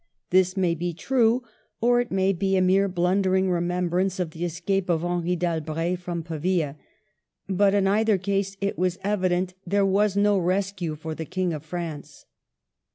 This may be true, or it may be a mere blundering remembrance of the escape of Henry d'Albret from Pavia. But in either case it was evident there was no rescue for the King of France.